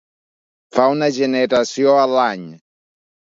Fa una generació a l'any.